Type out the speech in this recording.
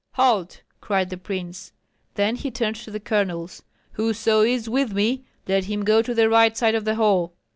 "Halt!" cried the prince. Then he turned to the colonels: "Whoso is with me, let him go to the right side of the hall!"